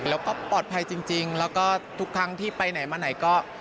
แล้วก็ปลอดภัยจริงแล้วก็ทุกครั้งที่ไปไหนมาไหนก็